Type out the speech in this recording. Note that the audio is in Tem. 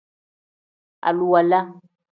Aluwala.